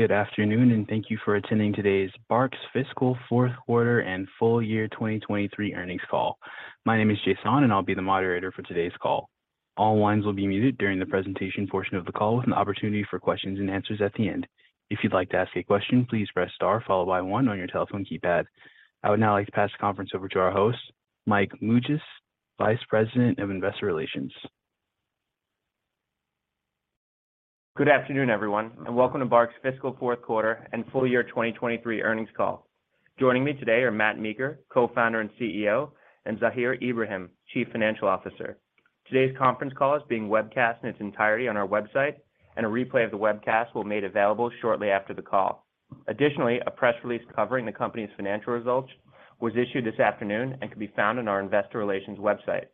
Good afternoon. And thank you for attending today's BARK's Fiscal Fourth Quarter and Full Year 2023 earnings call. My name is Jason, and I'll be the moderator for today's call. All lines will be muted during the presentation portion of the call, with an opportunity for questions and answers at the end. If you'd like to ask a question, please press Star followed by one on your telephone keypad. I would now like to pass the conference over to our host, Mike Mougias, Vice President of Investor Relations. Good afternoon, everyone, and welcome to BARK's Fiscal Fourth Quarter and Full Year 2023 earnings call. Joining me today are Matt Meeker, Co-founder and CEO, and Zahir Ibrahim, Chief Financial Officer. Today's conference call is being webcast in its entirety on our website, and a replay of the webcast will be made available shortly after the call. Additionally, a press release covering the company's financial results was issued this afternoon and can be found on our investor relations website.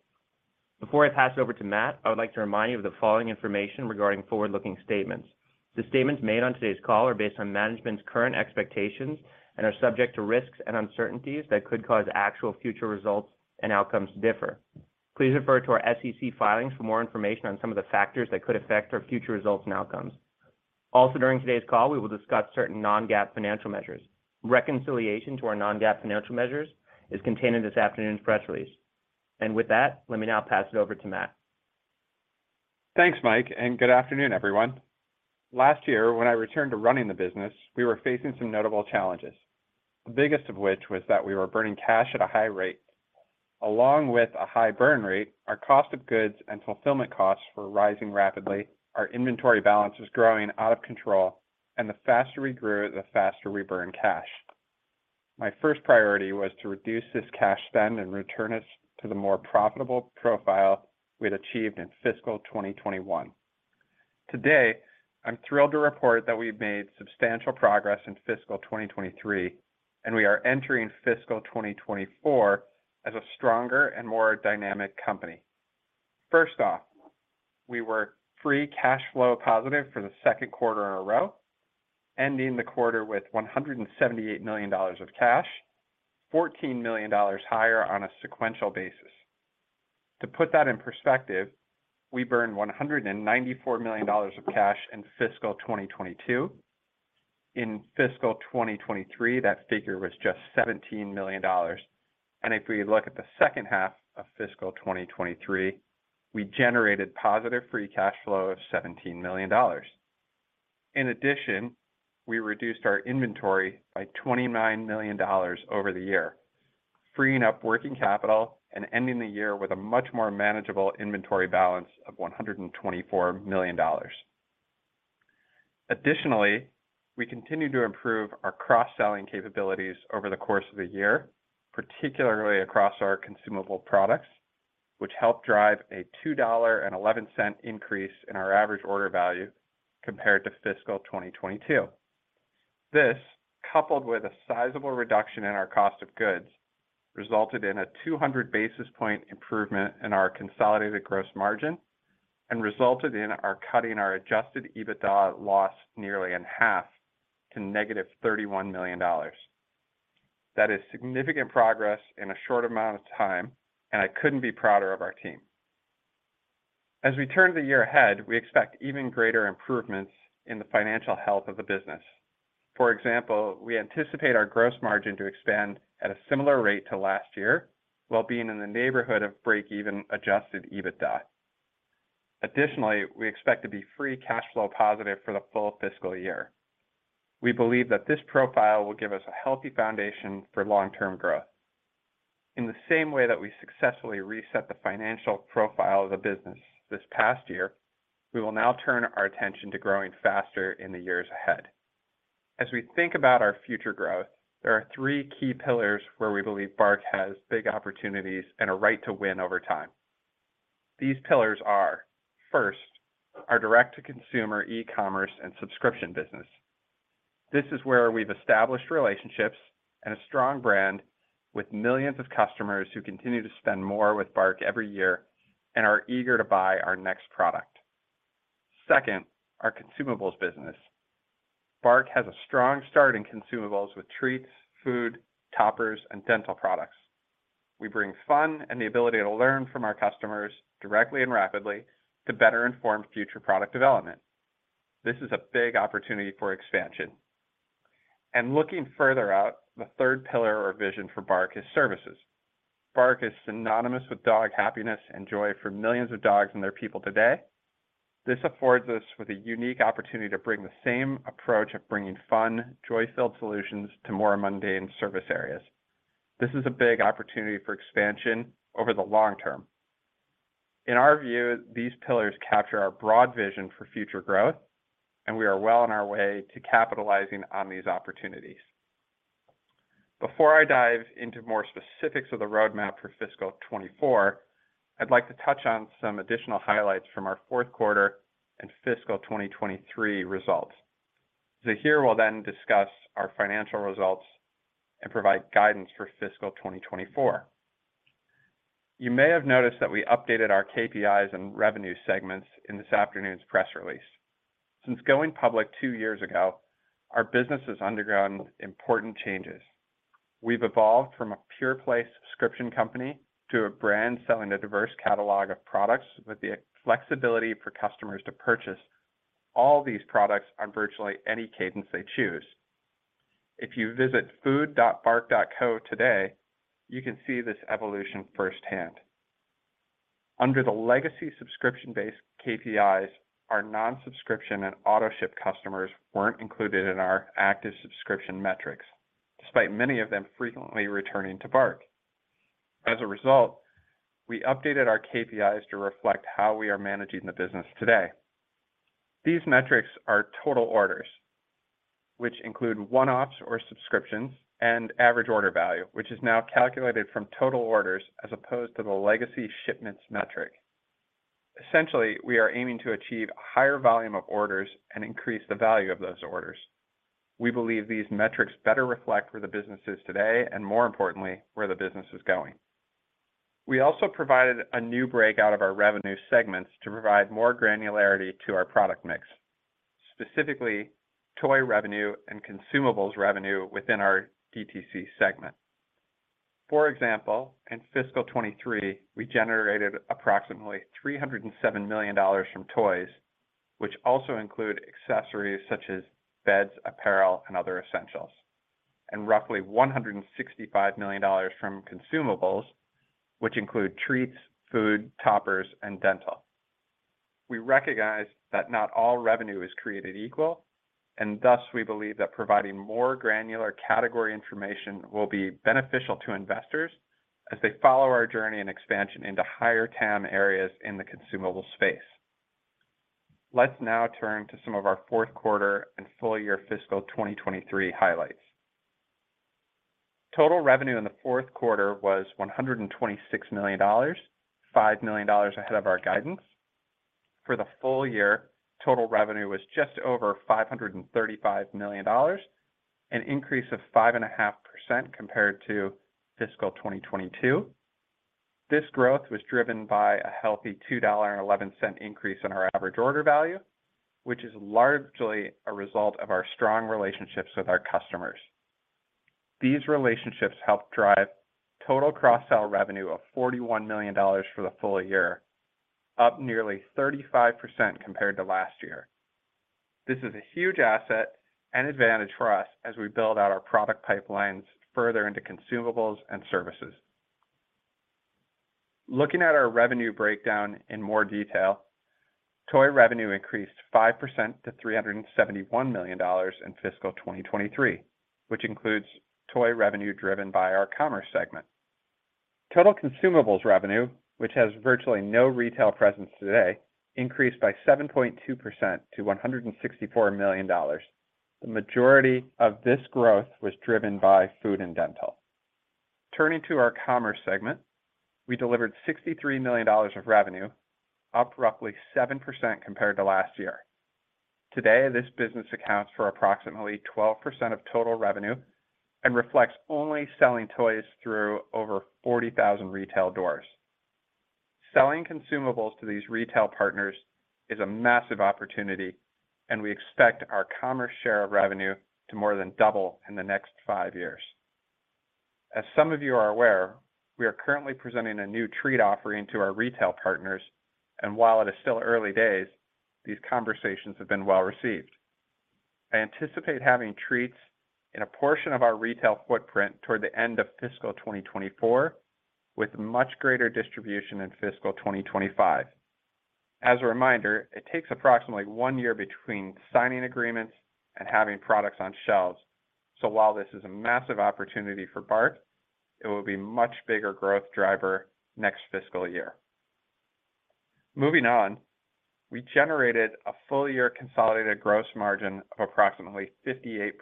Before I pass it over to Matt, I would like to remind you of the following information regarding forward-looking statements. The statements made on today's call are based on management's current expectations and are subject to risks and uncertainties that could cause actual future results and outcomes to differ. Please refer to our SEC filings for more information on some of the factors that could affect our future results and outcomes. Also, during today's call, we will discuss certain non-GAAP financial measures. Reconciliation to our non-GAAP financial measures is contained in this afternoon's press release. And with that, let me now pass it over to Matt. Thanks, Mike, and good afternoon, everyone. Last year, when I returned to running the business, we were facing some notable challenges, the biggest of which was that we were burning cash at a high rate. Along with a high burn rate, our cost of goods and fulfillment costs were rising rapidly, our inventory balance was growing out of control, and the faster we grew, the faster we burned cash. My first priority was to reduce this cash spend and return us to the more profitable profile we had achieved in fiscal 2021. Today, I'm thrilled to report that we've made substantial progress in fiscal 2023, and we are entering fiscal 2024 as a stronger and more dynamic company. First off, we were free cash flow positive for the second quarter in a row, ending the quarter with $178 million of cash, $14 million higher on a sequential basis. To put that in perspective, we burned $194 million of cash in fiscal 2022. In fiscal 2023, that figure was just $17 million. If we look at the second half of fiscal 2023, we generated positive free cash flow of $17 million. In addition, we reduced our inventory by $29 million over the year, freeing up working capital and ending the year with a much more manageable inventory balance of $124 million. Additionally, we continued to improve our cross-selling capabilities over the course of the year, particularly across our consumable products, which helped drive a $2.11 increase in our average order value compared to fiscal 2022. This, coupled with a sizable reduction in our cost of goods, resulted in a 200 basis point improvement in our consolidated gross margin and resulted in our cutting our adjusted EBITDA loss nearly in half to -$31 million. That is significant progress in a short amount of time, and I couldn't be prouder of our team. As we turn to the year ahead, we expect even greater improvements in the financial health of the business. For example, we anticipate our gross margin to expand at a similar rate to last year, while being in the neighborhood of break-even adjusted EBITDA. Additionally, we expect to be free cash flow positive for the full fiscal year. We believe that this profile will give us a healthy foundation for long-term growth. In the same way that we successfully reset the financial profile of the business this past year, we will now turn our attention to growing faster in the years ahead. As we think about our future growth, there are three key pillars where we believe BARK has big opportunities and a right to win over time. These pillars are, first, our direct-to-consumer e-commerce and subscription business. This is where we've established relationships and a strong brand with millions of customers who continue to spend more with BARK every year and are eager to buy our next product. Second, our consumables business. BARK has a strong start in consumables with treats, food, toppers, and dental products. We bring fun and the ability to learn from our customers directly and rapidly to better inform future product development. This is a big opportunity for expansion. And looking further out, the third pillar or vision for BARK is services. BARK is synonymous with dog happiness and joy for millions of dogs and their people today. This affords us with a unique opportunity to bring the same approach of bringing fun, joy-filled solutions to more mundane service areas. This is a big opportunity for expansion over the long term. In our view, these pillars capture our broad vision for future growth, and we are well on our way to capitalizing on these opportunities. Before I dive into more specifics of the roadmap for fiscal 2024, I'd like to touch on some additional highlights from our fourth quarter and fiscal 2023 results. Zahir will then discuss our financial results and provide guidance for fiscal 2024. You may have noticed that we updated our KPIs and revenue segments in this afternoon's press release. Since going public two years ago, our business has undergone important changes. We've evolved from a pure play subscription company to a brand selling a diverse catalog of products with the flexibility for customers to purchase all these products on virtually any cadence they choose. If you visit food.bark.co today, you can see this evolution firsthand. Under the legacy subscription-based KPIs, our non-subscription and autoship customers weren't included in our active subscription metrics, despite many of them frequently returning to BARK. As a result, we updated our KPIs to reflect how we are managing the business today. These metrics are total orders, which include one-offs or subscriptions, and average order value, which is now calculated from total orders as opposed to the legacy shipments metric. Essentially, we are aiming to achieve a higher volume of orders and increase the value of those orders. We believe these metrics better reflect where the business is today, and more importantly, where the business is going. We also provided a new breakout of our revenue segments to provide more granularity to our product mix, specifically toy revenue and consumables revenue within our DTC segment. For example, in fiscal 2023, we generated approximately $307 million from toys, which also include accessories such as beds, apparel, and other essentials, and roughly $165 million from consumables, which include treats, food, toppers, and dental. We recognize that not all revenue is created equal, and thus, we believe that providing more granular category information will be beneficial to investors as they follow our journey and expansion into higher TAM areas in the consumable space. Let's now turn to some of our fourth quarter and full year fiscal 2023 highlights. Total revenue in the fourth quarter was $126 million, $5 million ahead of our guidance. For the full year, total revenue was just over $535 million, an increase of 5.5% compared to fiscal 2022. This growth was driven by a healthy $2.11 increase in our average order value, which is largely a result of our strong relationships with our customers. These relationships helped drive total cross-sell revenue of $41 million for the full year, up nearly 35% compared to last year. This is a huge asset and advantage for us as we build out our product pipelines further into consumables and services. Looking at our revenue breakdown in more detail, toy revenue increased 5% to $371 million in fiscal 2023, which includes toy revenue driven by our commerce segment. Total consumables revenue, which has virtually no retail presence today, increased by 7.2% to $164 million. The majority of this growth was driven by food and dental. Turning to our commerce segment, we delivered $63 million of revenue, up roughly 7% compared to last year. Today, this business accounts for approximately 12% of total revenue and reflects only selling toys through over 40,000 retail doors. Selling consumables to these retail partners is a massive opportunity, and we expect our commerce share of revenue to more than double in the next 5 years. As some of you are aware, we are currently presenting a new treat offering to our retail partners, and while it is still early days, these conversations have been well received. I anticipate having treats in a portion of our retail footprint toward the end of fiscal 2024, with much greater distribution in fiscal 2025. As a reminder, it takes approximately one year between signing agreements and having products on shelves. So while this is a massive opportunity for BARK, it will be a much bigger growth driver next fiscal year. Moving on, we generated a full year consolidated gross margin of approximately 58%,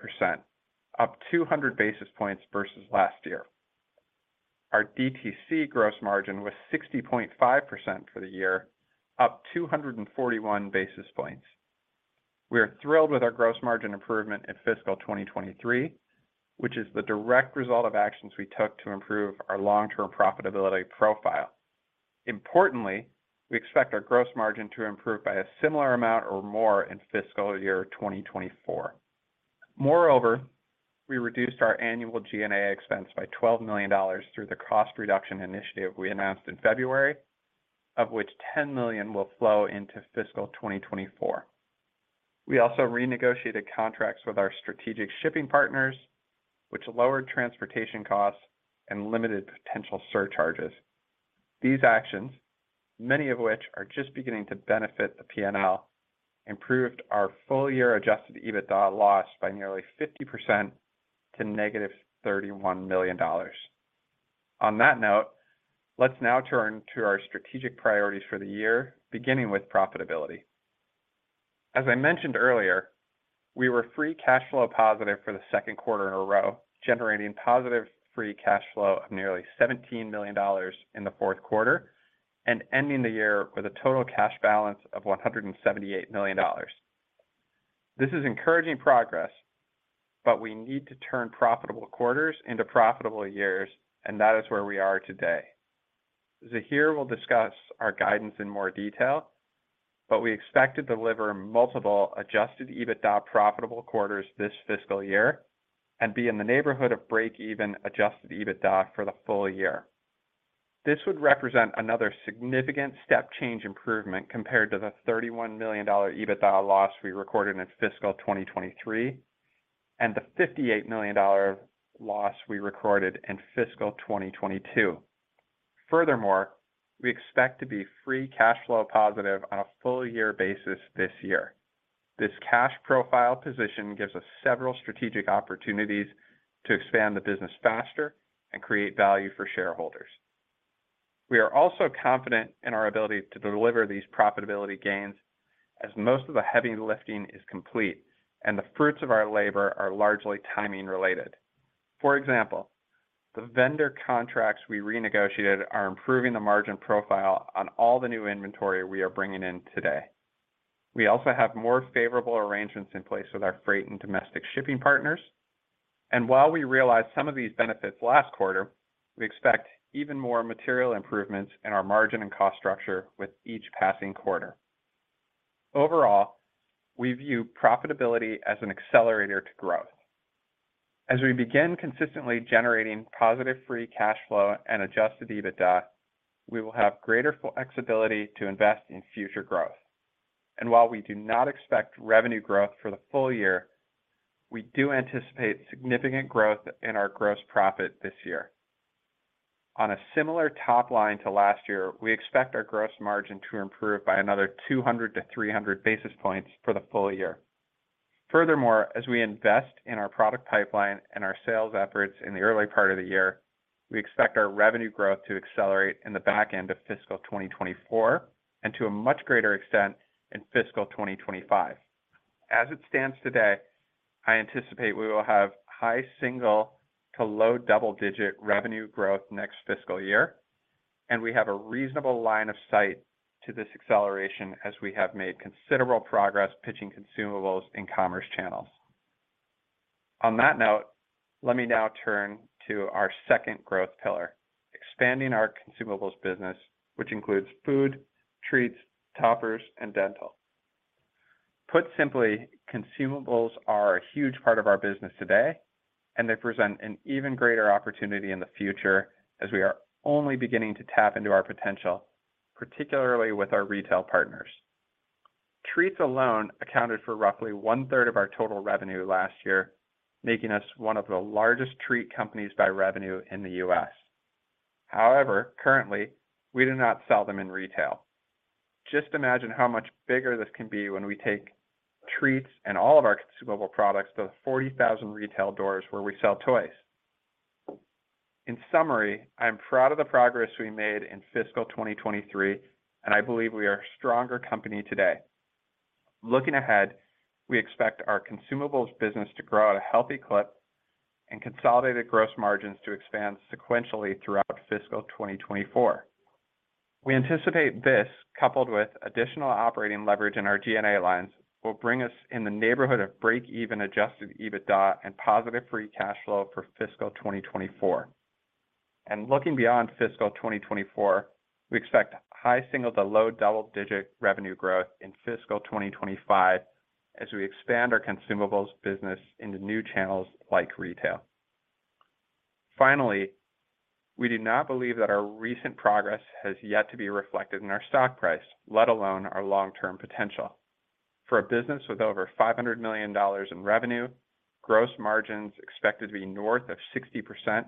up 200 basis points versus last year. Our DTC gross margin was 60.5% for the year, up 241 basis points. We are thrilled with our gross margin improvement in fiscal 2023, which is the direct result of actions we took to improve our long-term profitability profile. Importantly, we expect our gross margin to improve by a similar amount or more in fiscal year 2024. Moreover, we reduced our annual G&A expense by $12 million through the cost reduction initiative we announced in February, of which $10 million will flow into fiscal 2024. We also renegotiated contracts with our strategic shipping partners, which lowered transportation costs and limited potential surcharges. These actions, many of which are just beginning to benefit the PNL, improved our full year adjusted EBITDA loss by nearly 50% to -$31 million. On that note, let's now turn to our strategic priorities for the year, beginning with profitability. As I mentioned earlier, we were free cash flow positive for the second quarter in a row, generating positive free cash flow of nearly $17 million in the fourth quarter and ending the year with a total cash balance of $178 million. This is encouraging progress, but we need to turn profitable quarters into profitable years, and that is where we are today. Zahir will discuss our guidance in more detail, but we expect to deliver multiple adjusted EBITDA profitable quarters this fiscal year and be in the neighborhood of break-even adjusted EBITDA for the full year. This would represent another significant step change improvement compared to the $31 million EBITDA loss we recorded in fiscal 2023, and the $58 million loss we recorded in fiscal 2022. Furthermore, we expect to be free cash flow positive on a full year basis this year. This cash profile position gives us several strategic opportunities to expand the business faster and create value for shareholders. We are also confident in our ability to deliver these profitability gains as most of the heavy lifting is complete, and the fruits of our labor are largely timing related. For example, the vendor contracts we renegotiated are improving the margin profile on all the new inventory we are bringing in today. We also have more favorable arrangements in place with our freight and domestic shipping partners. And while we realized some of these benefits last quarter, we expect even more material improvements in our margin and cost structure with each passing quarter. Overall, we view profitability as an accelerator to growth. As we begin consistently generating positive free cash flow and adjusted EBITDA, we will have greater flexibility to invest in future growth. And while we do not expect revenue growth for the full year, we do anticipate significant growth in our gross profit this year. On a similar top line to last year, we expect our gross margin to improve by another 200-300 basis points for the full year. As we invest in our product pipeline and our sales efforts in the early part of the year, we expect our revenue growth to accelerate in the back end of fiscal 2024, and to a much greater extent, in fiscal 2025. As it stands today, I anticipate we will have high single to low double-digit revenue growth next fiscal year, and we have a reasonable line of sight to this acceleration as we have made considerable progress pitching consumables in commerce channels. On that note, let me now turn to our second growth pillar, expanding our consumables business, which includes food, treats, toppers, and dental. Put simply, consumables are a huge part of our business today, and they present an even greater opportunity in the future as we are only beginning to tap into our potential, particularly with our retail partners. Treats alone accounted for roughly 1/3 of our total revenue last year, making us one of the largest treat companies by revenue in the U.S. However, currently, we do not sell them in retail. Just imagine how much bigger this can be when we take treats and all of our consumable products to the 40,000 retail doors where we sell toys. In summary, I'm proud of the progress we made in fiscal 2023, and I believe we are a stronger company today. Looking ahead, we expect our consumables business to grow at a healthy clip and consolidated gross margins to expand sequentially throughout fiscal 2024. We anticipate this, coupled with additional operating leverage in our G&A lines, will bring us in the neighborhood of break-even adjusted EBITDA and positive free cash flow for fiscal 2024. And looking beyond fiscal 2024, we expect high single to low double-digit revenue growth in fiscal 2025 as we expand our consumables business into new channels like retail. Finally, we do not believe that our recent progress has yet to be reflected in our stock price, let alone our long-term potential. For a business with over $500 million in revenue, gross margins expected to be north of 60%,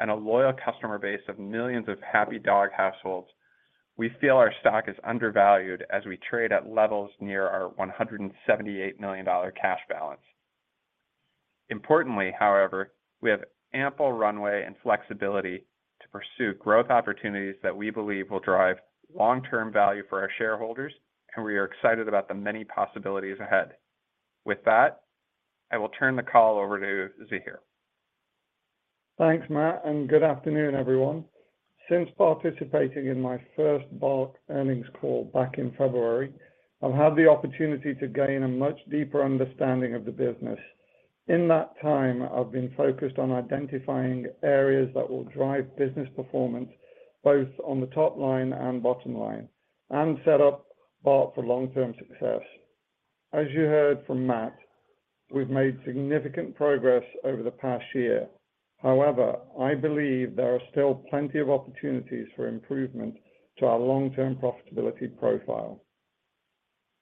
and a loyal customer base of millions of happy dog households, we feel our stock is undervalued as we trade at levels near our $178 million cash balance. Importantly, however, we have ample runway and flexibility to pursue growth opportunities that we believe will drive long-term value for our shareholders, and we are excited about the many possibilities ahead. With that, I will turn the call over to Zahir. Thanks, Matt. And good afternoon, everyone. Since participating in my first BARK earnings call back in February, I've had the opportunity to gain a much deeper understanding of the business. In that time, I've been focused on identifying areas that will drive business performance, both on the top line and bottom line, and set up BARK for long-term success. As you heard from Matt, we've made significant progress over the past year. However, I believe there are still plenty of opportunities for improvement to our long-term profitability profile.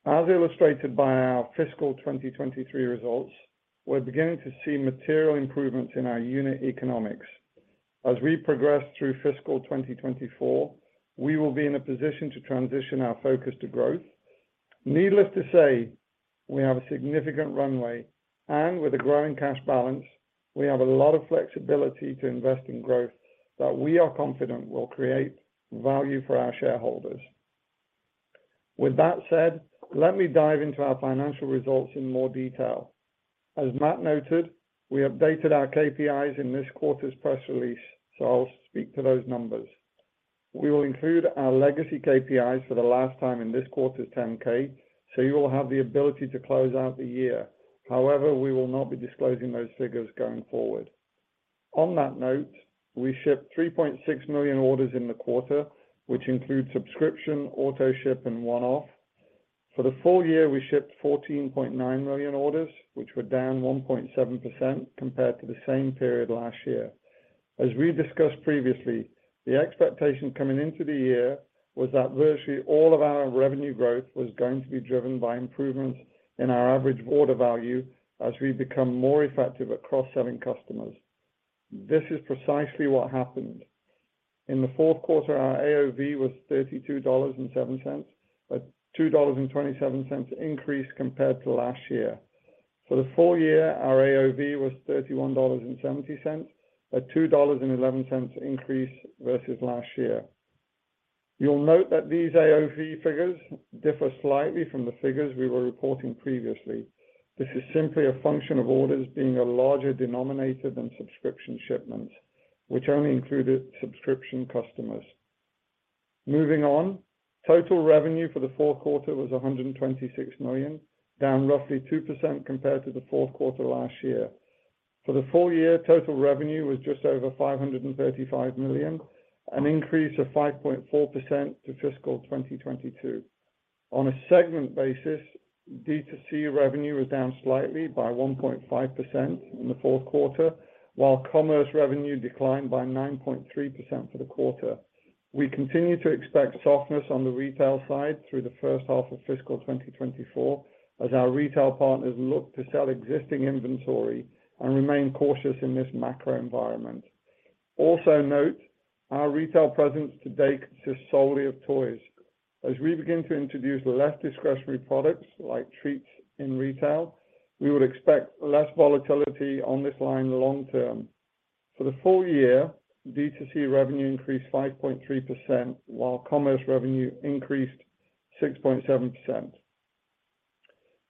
As illustrated by our fiscal 2023 results, we're beginning to see material improvements in our unit economics. As we progress through fiscal 2024, we will be in a position to transition our focus to growth. Needless to say, we have a significant runway, and with a growing cash balance, we have a lot of flexibility to invest in growth that we are confident will create value for our shareholders. With that said, let me dive into our financial results in more detail. As Matt noted, we updated our KPIs in this quarter's press release, so I'll speak to those numbers. We will include our legacy KPIs for the last time in this quarter's 10-K, so you will have the ability to close out the year. However, we will not be disclosing those figures going forward. On that note, we shipped 3.6 million orders in the quarter, which include subscription, auto ship, and one-off. For the full year, we shipped 14.9 million orders, which were down 1.7% compared to the same period last year. As we discussed previously, the expectation coming into the year was that virtually all of our revenue growth was going to be driven by improvements in our average order value as we become more effective at cross-selling customers. This is precisely what happened. In the fourth quarter, our AOV was $32.07, a $2.27 increase compared to last year. For the full year, our AOV was $31.70, a $2.11 increase versus last year. You'll note that these AOV figures differ slightly from the figures we were reporting previously. This is simply a function of orders being a larger denominator than subscription shipments, which only included subscription customers. Moving on, total revenue for the fourth quarter was $126 million, down roughly 2% compared to the fourth quarter last year. For the full year, total revenue was just over $535 million, an increase of 5.4% to fiscal 2022. On a segment basis, D2C revenue was down slightly by 1.5% in the fourth quarter, while commerce revenue declined by 9.3% for the quarter. We continue to expect softness on the retail side through the first half of fiscal 2024, as our retail partners look to sell existing inventory and remain cautious in this macro environment. Also note, our retail presence to date consists solely of toys. As we begin to introduce less discretionary products, like treats in retail, we would expect less volatility on this line long term. For the full year, D2C revenue increased 5.3%, while commerce revenue increased 6.7%.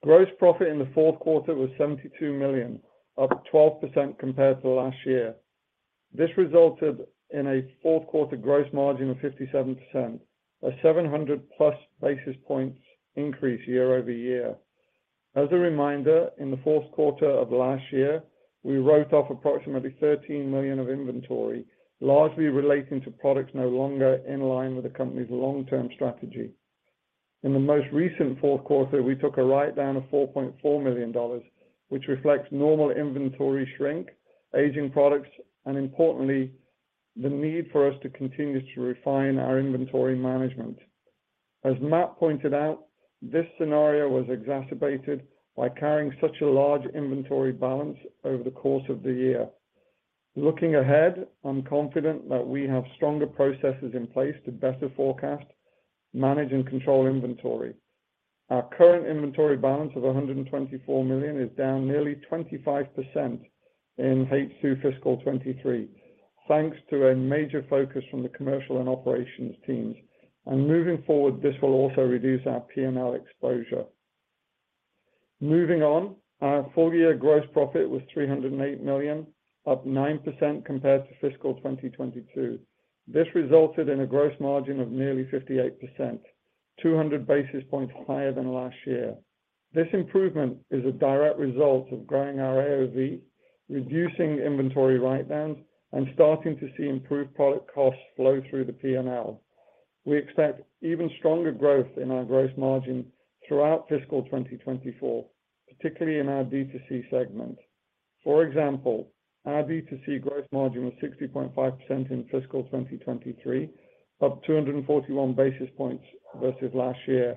Gross profit in the fourth quarter was $72 million, up 12% compared to last year. This resulted in a fourth quarter gross margin of 57%, a 700+ basis points increase year-over-year. As a reminder, in the fourth quarter of last year, we wrote off approximately $13 million of inventory, largely relating to products no longer in line with the company's long-term strategy. In the most recent fourth quarter, we took a write-down of $4.4 million, which reflects normal inventory shrink, aging products, and importantly, the need for us to continue to refine our inventory management. As Matt pointed out, this scenario was exacerbated by carrying such a large inventory balance over the course of the year. Looking ahead, I'm confident that we have stronger processes in place to better forecast, manage, and control inventory. Our current inventory balance of $124 million is down nearly 25% in H2 fiscal 2023, thanks to a major focus from the commercial and operations teams. And moving forward, this will also reduce our P&L exposure. Moving on, our full year gross profit was $308 million, up 9% compared to fiscal 2022. This resulted in a gross margin of nearly 58%, 200 basis points higher than last year. This improvement is a direct result of growing our AOV, reducing inventory write-downs, and starting to see improved product costs flow through the P&L. We expect even stronger growth in our gross margin throughout fiscal 2024, particularly in our D2C segment. For example, our D2C gross margin was 60.5% in fiscal 2023, up 241 basis points versus last year.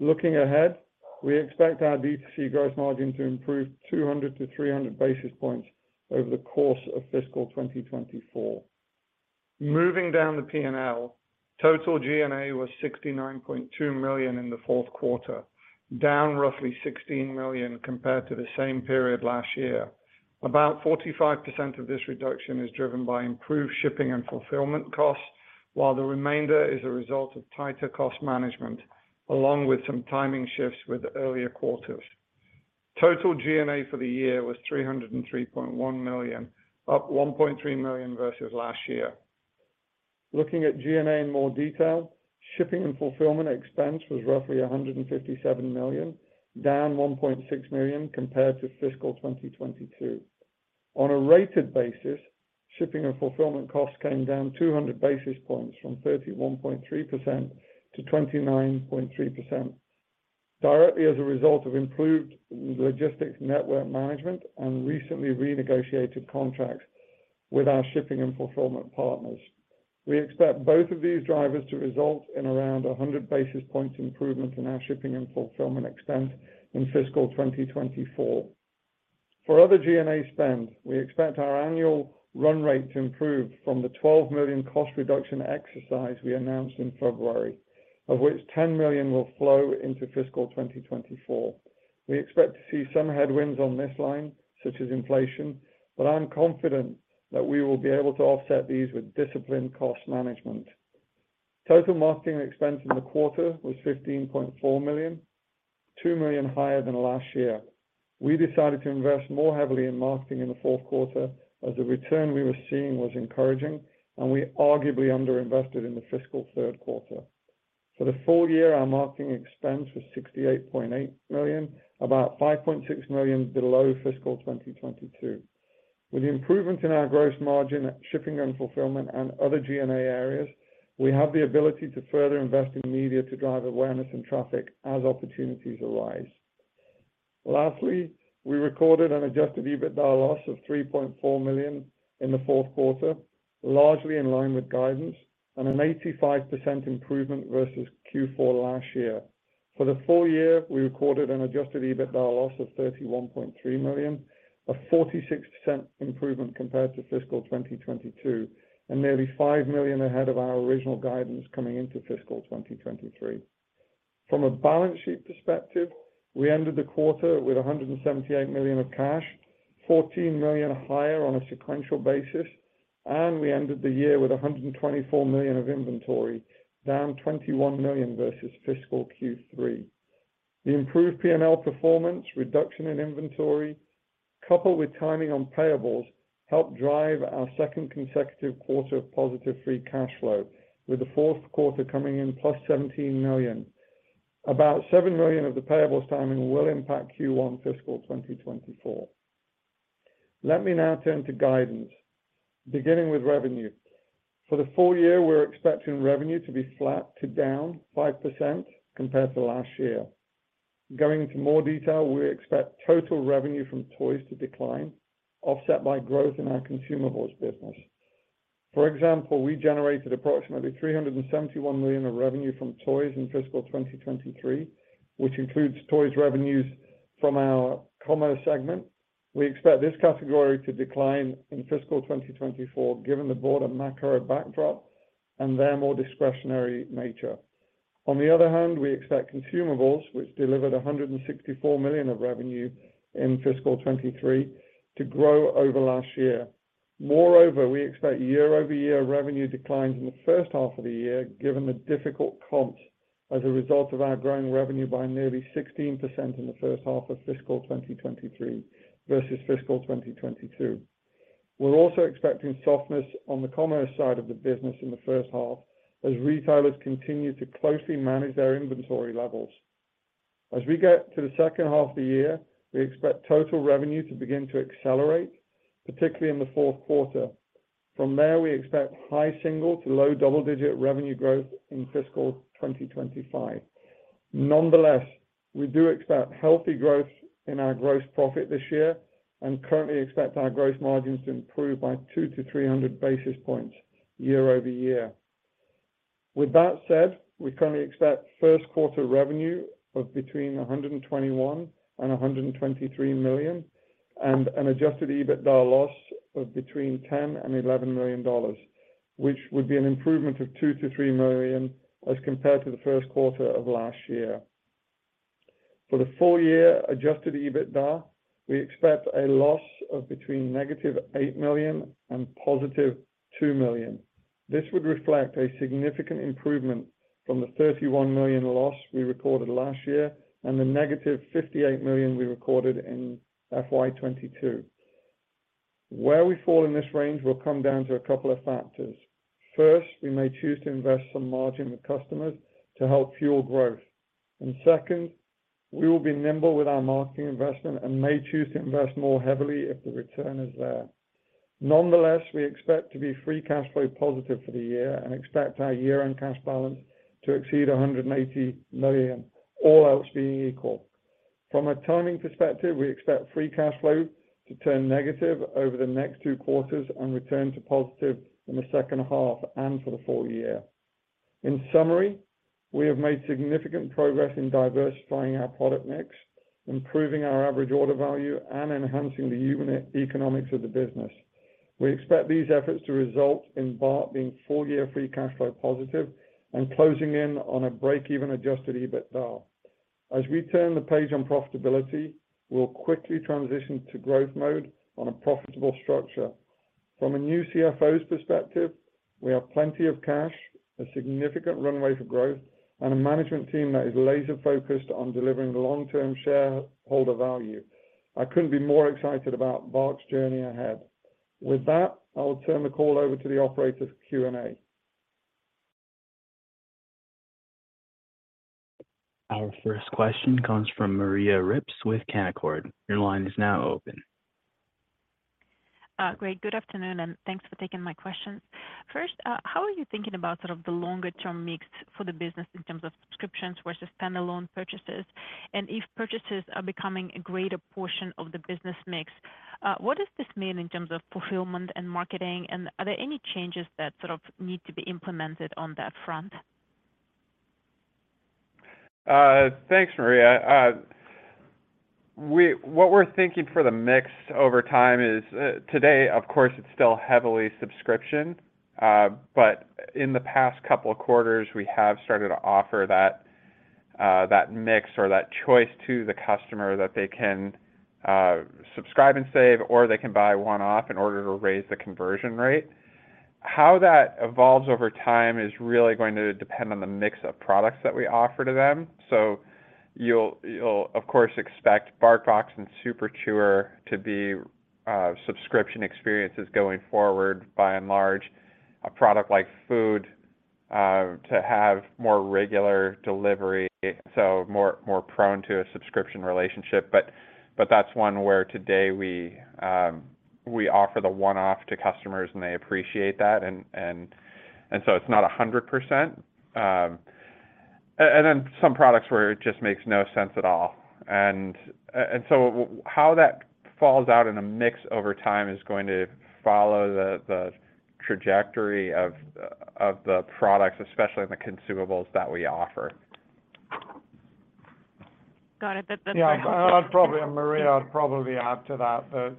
Looking ahead, we expect our D2C gross margin to improve 200-300 basis points over the course of fiscal 2024. Moving down the P&L, total G&A was $69.2 million in the fourth quarter, down roughly $16 million compared to the same period last year. About 45% of this reduction is driven by improved shipping and fulfillment costs, while the remainder is a result of tighter cost management, along with some timing shifts with earlier quarters. Total G&A for the year was $303.1 million, up $1.3 million versus last year. Looking at G&A in more detail, shipping and fulfillment expense was roughly $157 million, down $1.6 million compared to fiscal 2022. On a rated basis, shipping and fulfillment costs came down 200 basis points, from 31.3%-29.3%. Directly as a result of improved logistics network management on recently renegotiated contracts with our shipping and fulfillment partners. We expect both of these drivers to result in around 100 basis points improvement in our shipping and fulfillment expense in fiscal 2024. For other G&A spend, we expect our annual run rate to improve from the $12 million cost reduction exercise we announced in February, of which $10 million will flow into fiscal 2024. We expect to see some headwinds on this line, such as inflation, but I'm confident that we will be able to offset these with disciplined cost management. Total marketing expense in the quarter was $15.4 million, $2 million higher than last year. We decided to invest more heavily in marketing in the fourth quarter as the return we were seeing was encouraging and we arguably underinvested in the fiscal third quarter. For the full year, our marketing expense was $68.8 million, about $5.6 million below fiscal 2022. With the improvement in our gross margin, shipping and fulfillment, and other G&A areas, we have the ability to further invest in media to drive awareness and traffic as opportunities arise. Lastly, we recorded an adjusted EBITDA loss of $3.4 million in the fourth quarter, largely in line with guidance, and an 85% improvement versus Q4 last year. For the full year, we recorded an adjusted EBITDA loss of $31.3 million, a 46% improvement compared to fiscal 2022, and nearly $5 million ahead of our original guidance coming into fiscal 2023. From a balance sheet perspective, we ended the quarter with $178 million of cash, $14 million higher on a sequential basis. And we ended the year with $124 million of inventory, down $21 million versus fiscal Q3. The improved PNL performance, reduction in inventory, coupled with timing on payables, helped drive our second consecutive quarter of positive free cash flow, with the fourth quarter coming in +$17 million. About $7 million of the payables timing will impact Q1 fiscal 2024. Let me now turn to guidance, beginning with revenue. For the full year, we're expecting revenue to be flat to down 5% compared to last year. Going into more detail, we expect total revenue from toys to decline, offset by growth in our consumables business. For example, we generated approximately $371 million of revenue from toys in fiscal 2023, which includes toys revenues from our commerce segment. We expect this category to decline in fiscal 2024, given the broader macro backdrop and their more discretionary nature. On the other hand, we expect consumables, which delivered $164 million of revenue in fiscal 2023, to grow over last year. Moreover we expect year-over-year revenue declines in the first half of the year, given the difficult comps as a result of our growing revenue by nearly 16% in the first half of fiscal 2023 versus fiscal 2022. We're also expecting softness on the commerce side of the business in the first half, as retailers continue to closely manage their inventory levels. As we get to the second half of the year, we expect total revenue to begin to accelerate, particularly in the fourth quarter. From there, we expect high single to low double-digit revenue growth in fiscal 2025. Nonetheless, we do expect healthy growth in our gross profit this year and currently expect our gross margins to improve by 200-300 basis points year-over-year. With that said, we currently expect first quarter revenue of between $121 million and $123 million, and an adjusted EBITDA loss of between $10 million and $11 million, which would be an improvement of $2 million-$3 million as compared to the first quarter of last year. For the full year adjusted EBITDA, we expect a loss of between -$8 million and +$2 million. This would reflect a significant improvement from the $31 million loss we recorded last year and the -$58 million we recorded in FY 2022. Where we fall in this range will come down to a couple of factors. First, we may choose to invest some margin with customers to help fuel growth. And second, we will be nimble with our marketing investment and may choose to invest more heavily if the return is there. Nonetheless, we expect to be free cash flow positive for the year and expect our year-end cash balance to exceed $180 million, all else being equal. From a timing perspective, we expect free cash flow to turn negative over the next two quarters and return to positive in the second half and for the full year. In summary, we have made significant progress in diversifying our product mix, improving our average order value, and enhancing the unit economics of the business. We expect these efforts to result in BARK being full year free cash flow positive and closing in on a break-even adjusted EBITDA. As we turn the page on profitability, we'll quickly transition to growth mode on a profitable structure. From a new CFO's perspective, we have plenty of cash, a significant runway for growth, and a management team that is laser-focused on delivering long-term shareholder value. I couldn't be more excited about BARK's journey ahead. With that, I will turn the call over to the operator for Q&A. Our first question comes from Maria Ripps with Canaccord. Your line is now open. Great. Good afternoon, and thanks for taking my question. First, how are you thinking about sort of the longer-term mix for the business in terms of subscriptions versus standalone purchases? And if purchases are becoming a greater portion of the business mix, what does this mean in terms of fulfillment and marketing, and are there any changes that sort of need to be implemented on that front? Thanks, Maria. What we're thinking for the mix over time is, today, of course, it's still heavily subscription, but in the past couple of quarters, we have started to offer that that mix or that choice to the customer, that they can subscribe and save, or they can buy one-off in order to raise the conversion rate. How that evolves over time is really going to depend on the mix of products that we offer to them. So you'll, you'll of course, expect BarkBox and Super Chewer to be subscription experiences going forward, by and large, a product like food, to have more regular delivery, so more prone to a subscription relationship. But but that's one where today we, we offer the one-off to customers, and they appreciate that. So it's not 100%. And then some products where it just makes no sense at all. And it's all, how that falls out in a mix over time is going to follow the trajectory of the products, especially in the consumables that we offer. Got it. That's very helpful. Yeah, I'd probably, Maria, I'd probably add to that,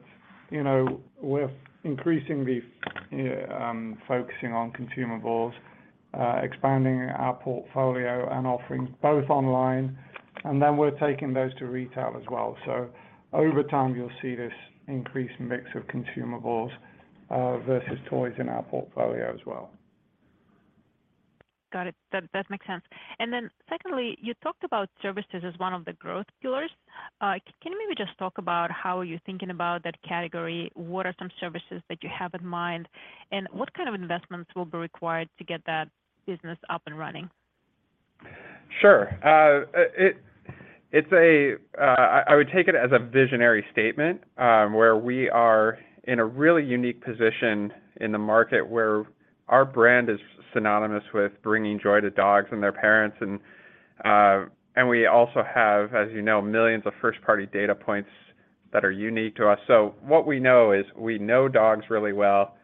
you know, we're increasingly focusing on consumables, expanding our portfolio and offerings, both online, and then we're taking those to retail as well. Over time, you'll see this increased mix of consumables versus toys in our portfolio as well. Got it. That makes sense. And then secondly, you talked about services as one of the growth pillars. can you maybe just talk about how you're thinking about that category? What are some services that you have in mind, and what kind of investments will be required to get that business up and running? Sure. It's a, I would take it as a visionary statement, where we are in a really unique position in the market, where our brand is synonymous with bringing joy to dogs and their parents. And we also have, as you know, millions of first-party data points that are unique to us. So what we know is we know dogs really well.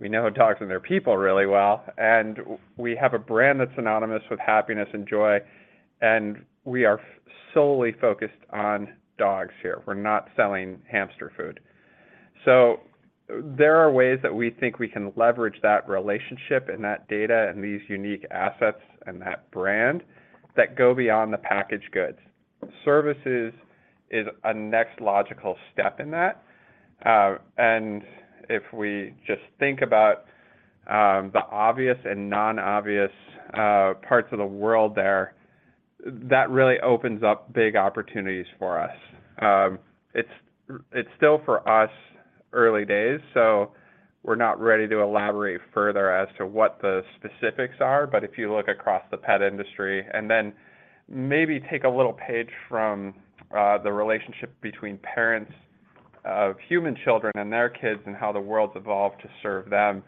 We know dogs and their people really well, and we have a brand that's synonymous with happiness and joy, and we are solely focused on dogs here. We're not selling hamster food. So there are ways that we think we can leverage that relationship and that data and these unique assets and that brand that go beyond the packaged goods. Services is a next logical step in that. And if we just think about the obvious and non-obvious parts of the world there, that really opens up big opportunities for us. It's it's still, for us, early days, so we're not ready to elaborate further as to what the specifics are. But if you look across the pet industry and then maybe take a little page from the relationship between parents of human children and their kids, and how the world's evolved to serve them,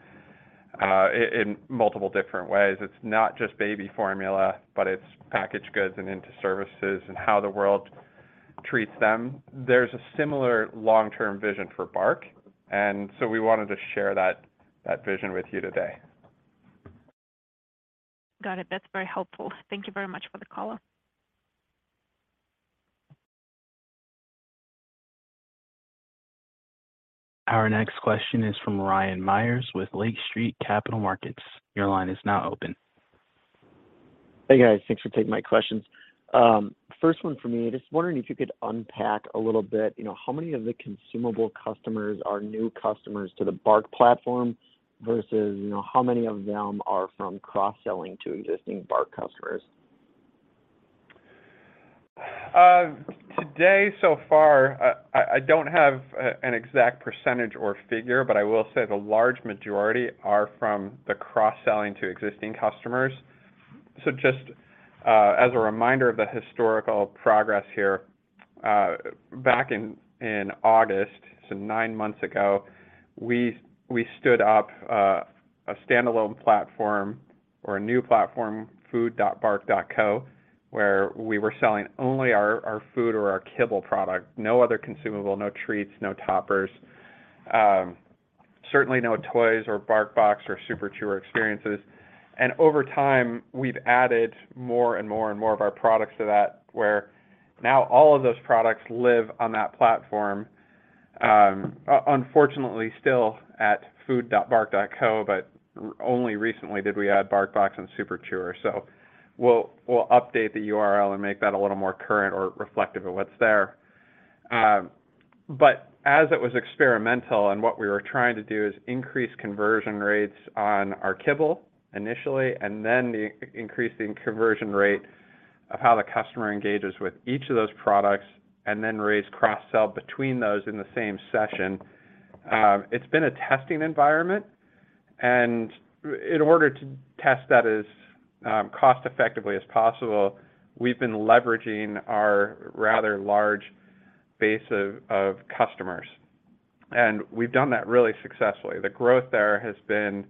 in multiple different ways, it's not just baby formula, but it's packaged goods and into services and how the world treats them. There's a similar long-term vision for Bark, and so we wanted to share that, that vision with you today. Got it. That's very helpful. Thank you very much for the call. Our next question is from Ryan Meyers with Lake Street Capital Markets. Your line is now open. Hey, guys. Thanks for taking my questions. First one for me, just wondering if you could unpack a little bit, you know, how many of the consumable customers are new customers to the BARK platform versus, you know, how many of them are from cross-selling to existing BARK customers? Today, so far, I don't have an exact percentage or figure, but I will say the large majority are from the cross-selling to existing customers. So just as a reminder of the historical progress here, back in August, 9 months ago, we we stood up a standalone platform or a new platform, food.bark.co, where we were selling only our food or our kibble product, no other consumable, no treats, no toppers, certainly no toys or BarkBox or Super Chewer experiences. And over time, we've added more and more and more of our products to that, where now all of those products live on that platform. Unfortunately, still at food.bark.co, but only recently did we add BarkBox and Super Chewer. So we'll we'll update the URL and make that a little more current or reflective of what's there. But as it was experimental and what we were trying to do is increase conversion rates on our kibble initially, and then the increasing conversion rate of how the customer engages with each of those products, and then raise cross-sell between those in the same session. It's been a testing environment, and in order to test that as cost-effectively as possible, we've been leveraging our rather large base of customers, and we've done that really successfully. The growth there has been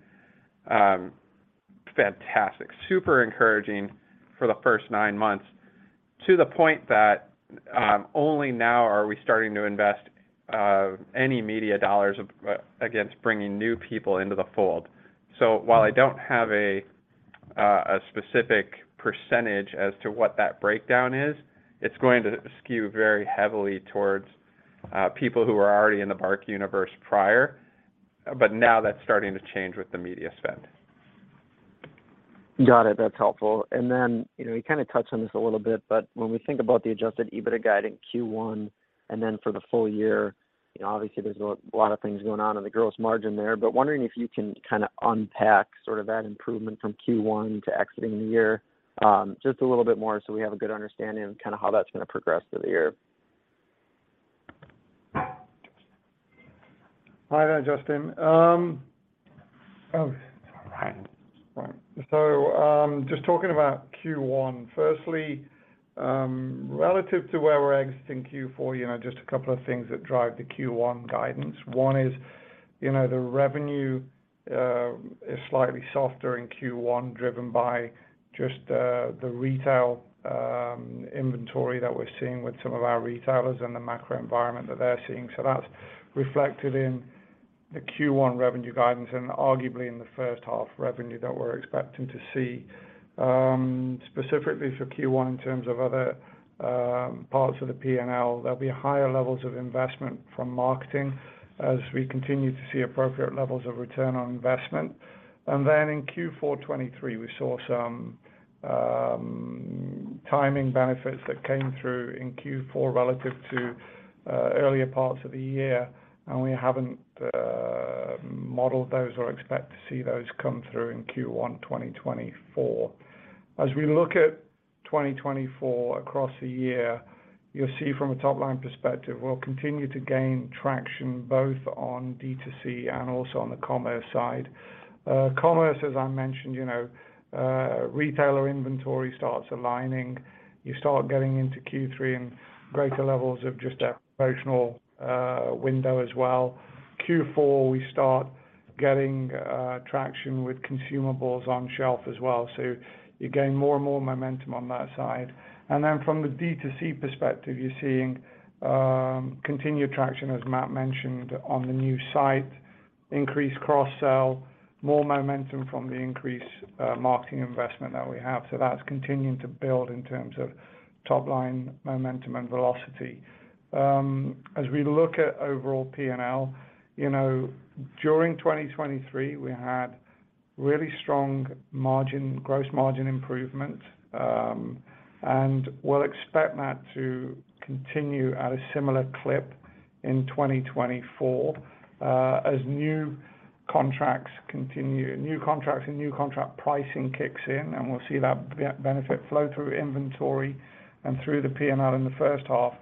fantastic, super encouraging for the first nine months, to the point that, only now are we starting to invest any media dollars against bringing new people into the fold. So while I don't have a specific percentage as to what that breakdown is, it's going to skew very heavily towards people who are already in the BARK universe prior, but now that's starting to change with the media spend. Got it. That's helpful. And then you know, you kind of touched on this a little bit, but when we think about the adjusted EBITDA guide in Q1 and then for the full year, you know, obviously there's a lot of things going on in the gross margin there, but wondering if you can kind of unpack sort of that improvement from Q1 to exiting the year, just a little bit more so we have a good understanding of kind of how that's gonna progress through the year? Hi there, Justin. right. Just talking about Q1. Firstly, relative to where we're exiting Q4, you know, just a couple of things that drive the Q1 guidance. One is, you know, the revenue is slightly softer in Q1, driven by just the retail inventory that we're seeing with some of our retailers and the macro environment that they're seeing. That's reflected in the Q1 revenue guidance and arguably in the first half revenue that we're expecting to see. Specifically for Q1, in terms of other parts of the P&L, there'll be higher levels of investment from marketing as we continue to see appropriate levels of return on investment. And then in Q4 2023, we saw some timing benefits that came through in Q4 relative to earlier parts of the year, and we haven't modeled those or expect to see those come through in Q1 2024. As we look at 2024 across the year, you'll see from a top-line perspective, we'll continue to gain traction both on D2C and also on the commerce side. Commerce, as I mentioned, you know, retailer inventory starts aligning. You start getting into Q3 and greater levels of just operational window as well. Q4, we start getting traction with consumables on shelf as well, so you gain more and more momentum on that side. And then from the D2C perspective, you're seeing continued traction, as Matt mentioned, on the new site, increased cross-sell, more momentum from the increased marketing investment that we have. So that's continuing to build in terms of top line momentum and velocity. As we look at overall P&L, you know, during 2023, we had really strong margin, gross margin improvement, and we'll expect that to continue at a similar clip in 2024, as new contracts continue and new contract pricing kicks in, and we'll see that benefit flow through inventory and through the P&L in the first half.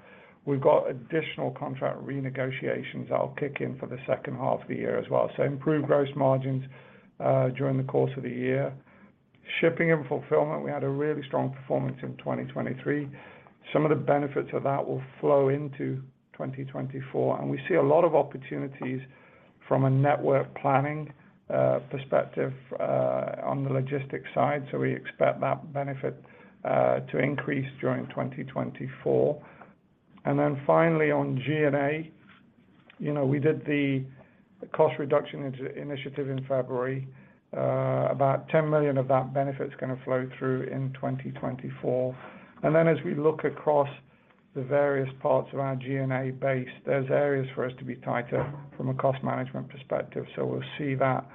We've got additional contract renegotiations that will kick in for the second half of the year as well. So improved gross margins during the course of the year. Shipping and fulfillment, we had a really strong performance in 2023. Some of the benefits of that will flow into 2024, and we see a lot of opportunities from a network planning perspective on the logistics side, so we expect that benefit to increase during 2024. And then finally, on G&A, you know, we did the cost reduction initiative in February. About $10 million of that benefit is gonna flow through in 2024. And then as we look across the various parts of our G&A base, there's areas for us to be tighter from a cost management perspective, so we'll see that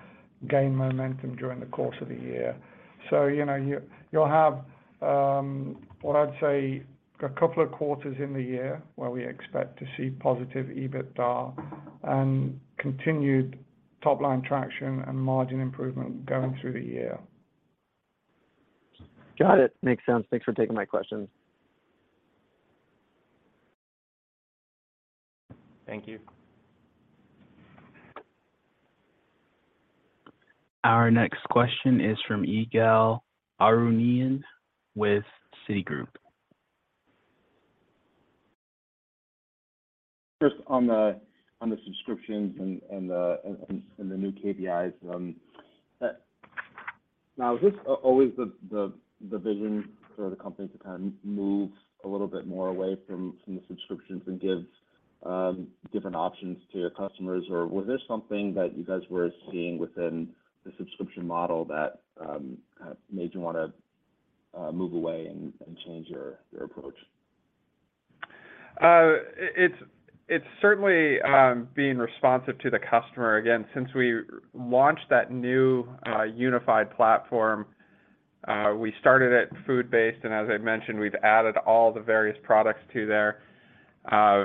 gain momentum during the course of the year. So you know, you'll have what I'd say, a couple of quarters in the year where we expect to see positive EBITDA and continued top-line traction and margin improvement going through the year. Got it. Makes sense. Thanks for taking my questions. Thank you. Our next question is from Ygal Arounian with Citigroup. Just on the subscriptions and the new KPIs. now, is this always the vision for the company to kind of move a little bit more away from the subscriptions and give, different options to your customers? Or was this something that you guys were seeing within the subscription model that, kind of made you wanna, move away and change your approach? It's it's certainly being responsive to the customer. Again, since we launched that new unified platform, we started it food-based, and as I mentioned, we've added all the various products to there.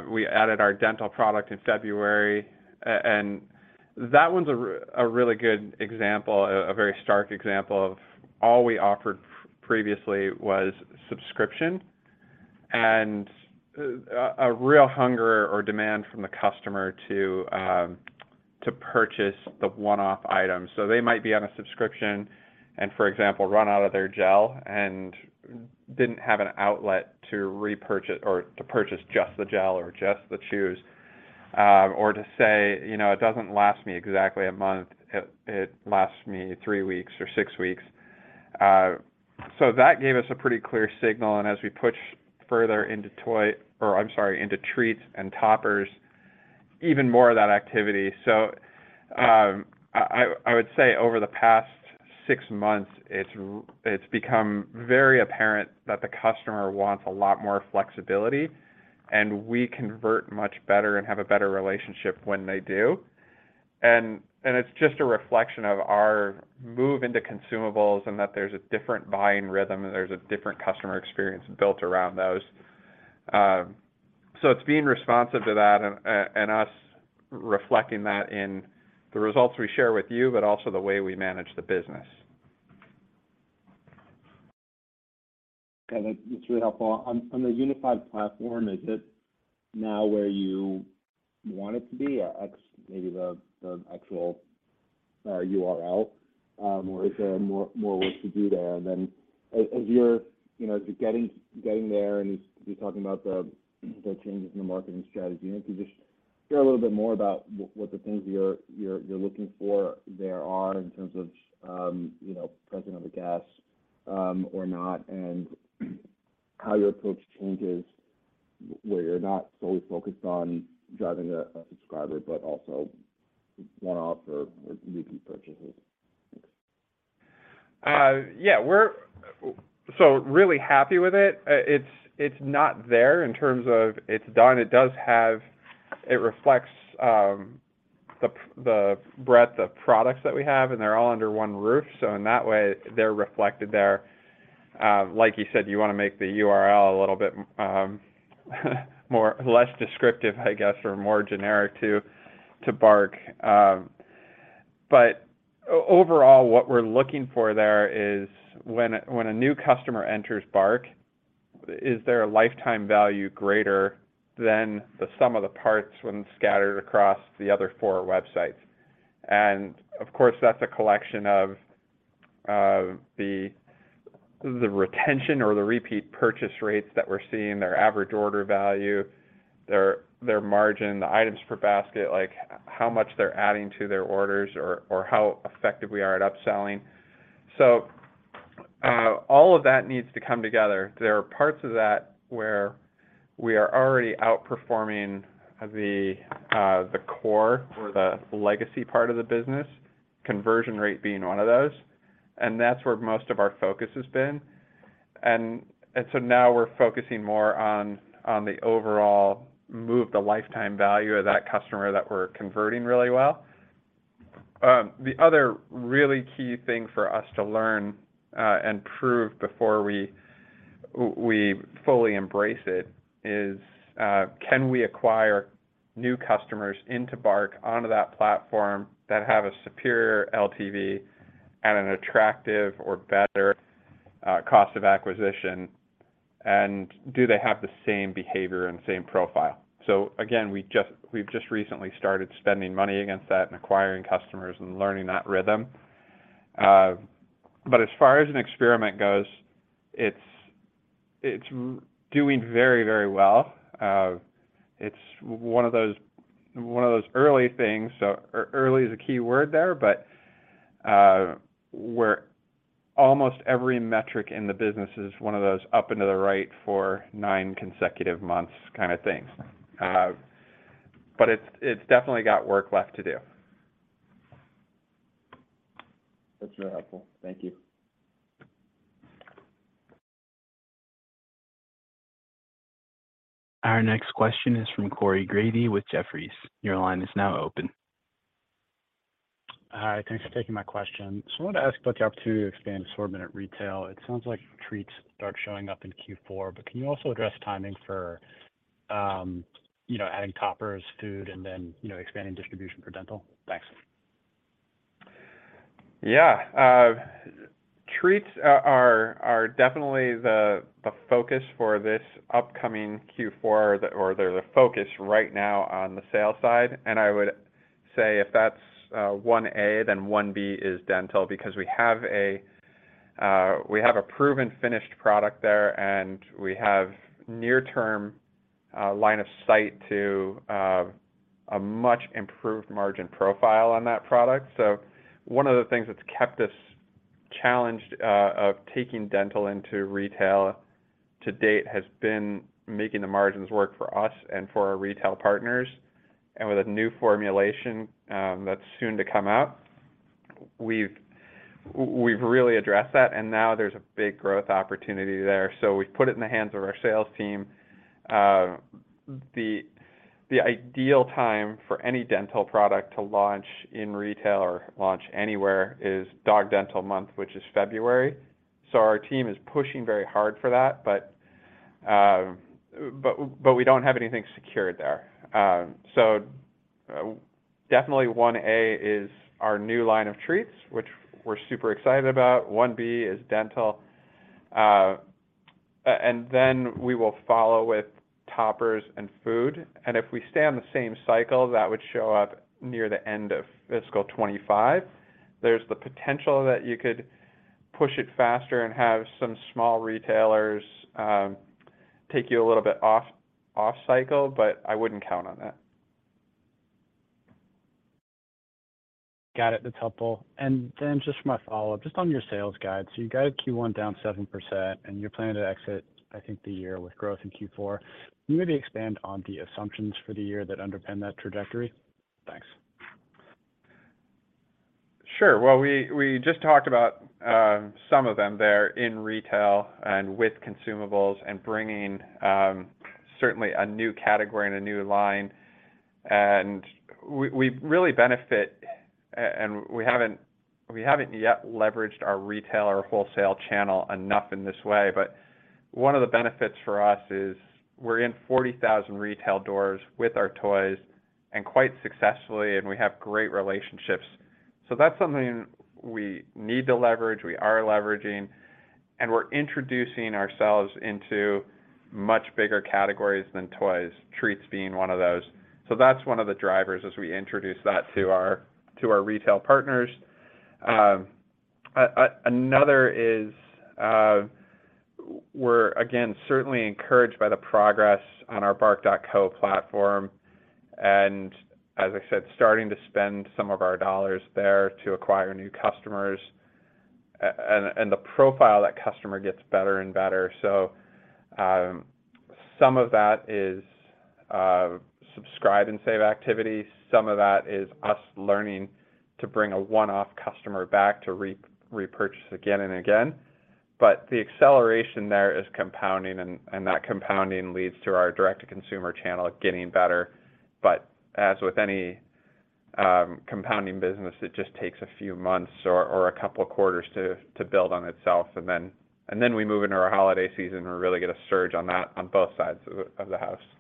We added our dental product in February. And that was a really good example, a very stark example of all we offered previously was subscription. And a real hunger or demand from the customer to to purchase the one-off items. So they might be on a subscription and, for example, run out of their gel and didn't have an outlet to repurchase or to purchase just the gel or just the chews. Or to say, "You know, it doesn't last me exactly a month, it lasts me three weeks or six weeks." So that gave us a pretty clear signal, and as we push further into treats and toppers, even more of that activity. I would say over the past six months, it's become very apparent that the customer wants a lot more flexibility, and we convert much better and have a better relationship when they do. And and it's just a reflection of our move into consumables and that there's a different buying rhythm, and there's a different customer experience built around those. So it's being responsive to that and us reflecting that in the results we share with you, but also the way we manage the business. Okay, that's really helpful. On the unified platform, is it now where you want it to be, maybe the actual URL, or is there more work to do there? And then as you're, you know, as you're getting there and you're talking about the changes in the marketing strategy, can you just share a little bit more about what the things you're looking for there are in terms of, you know, present on the gas, or not, and how your approach changes, where you're not solely focused on driving a subscriber, but also one-off or repeat purchases? Yeah, we're so really happy with it. It's, it's not there in terms of it's done. It does have, it reflects the breadth of products that we have, and they're all under one roof, so in that way, they're reflected there. Like you said, you want to make the URL a little bit more less descriptive, I guess, or more generic to BARK. But overall, what we're looking for there is when when a new customer enters BARK, is there a lifetime value greater than the sum of the parts when scattered across the other four websites? And of course, that's a collection of, of the retention or the repeat purchase rates that we're seeing, their average order value, their margin, the items per basket, like how much they're adding to their orders or how effective we are at upselling. So all of that needs to come together. There are parts of that where we are already outperforming the core or the legacy part of the business, conversion rate being one of those, and that's where most of our focus has been. And and so now we're focusing more on the overall move, the lifetime value of that customer that we're converting really well. The other really key thing for us to learn and prove before we we fully embrace it is, can we acquire new customers into BARK, onto that platform that have a superior LTV at an attractive or better cost of acquisition, and do they have the same behavior and same profile? So again, we've just, we've just recently started spending money against that and acquiring customers and learning that rhythm. But as far as an experiment goes, it's doing very, very well. It's one of those, one of those early things, so early is a key word there. But almost every metric in the business is one of those up and to the right for nine consecutive months kind of things. But it's it's definitely got work left to do. That's really helpful. Thank you. Our next question is from Corey Grady with Jefferies. Your line is now open. Hi, thanks for taking my question. So I wanna ask about the opportunity to expand assortment at retail. It sounds like treats start showing up in Q4, but can you also address timing for, you know, adding toppers, food, and then, you know, expanding distribution for dental? Thanks. Yeah, treats are definitely the focus for this upcoming Q4 or they're the focus right now on the sales side. And I would say if that's one A, then one B is dental, because we have a, we have a proven finished product there, and we have near-term line of sight to a much improved margin profile on that product. So one of the things that's kept us challenged of taking dental into retail to date has been making the margins work for us and for our retail partners. And with a new formulation that's soon to come out, we've we've really addressed that, and now there's a big growth opportunity there, so we've put it in the hands of our sales team. The the ideal time for any dental product to launch in retail or launch anywhere is Dog Dental Month, which is February. So our team is pushing very hard for that, but we don't have anything secured there. So definitely 1A is our new line of treats, which we're super excited about. 1B is dental. And then we will follow with toppers and food, and if we stay on the same cycle, that would show up near the end of fiscal 2025. There's the potential that you could push it faster and have some small retailers take you a little bit off off cycle, but I wouldn't count on that. Got it. That's helpful. And then just my follow-up, just on your sales guide. You guided Q1 down 7%, and you're planning to exit, I think, the year with growth in Q4. Can you maybe expand on the assumptions for the year that underpin that trajectory? Thanks. Sure. Well, we we ust talked about some of them there in retail and with consumables and bringing certainly a new category and a new line. And we really benefit, and we haven't, we haven't yet leveraged our retail or wholesale channel enough in this way, but one of the benefits for us is we're in 40,000 retail doors with our toys, and quite successfully, and we have great relationships. So that's something we need to leverage, we are leveraging, and we're introducing ourselves into much bigger categories than toys, treats being one of those. So that's one of the drivers as we introduce that to our, to our retail partners. Another is, we're again, certainly encouraged by the progress on our bark.co platform, and as I said, starting to spend some of our dollars there to acquire new customers. And the profile of that customer gets better and better. Some of that is subscribe and save activity. Some of that is us learning to bring a one-off customer back to re-repurchase again and again. But the acceleration there is compounding, and that compounding leads to our direct-to-consumer channel getting better. But as with any compounding business, it just takes a few months or a couple of quarters to to build on itself. And then we move into our holiday season, and we really get a surge on that on both sides of the house. Thank you.